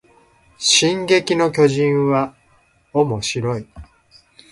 進撃の巨人はおもしろい